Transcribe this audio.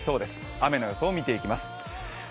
雨の予想を見ていきます。